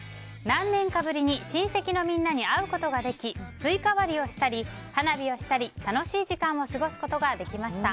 何年かぶりに親戚のみんなに会うことができスイカ割りをしたり花火をしたり楽しい時間を過ごすことができました。